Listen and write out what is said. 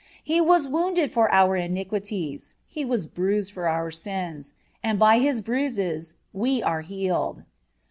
(7) "He was wounded for our iniquities; He was bruised for our sins, ... and by His bruises we are healed."